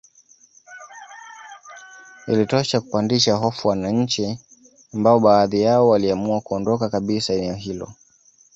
Ilitosha kupandisha hofu wananchi ambao baadhi yao waliamua kuondoka kabisa eneo hilo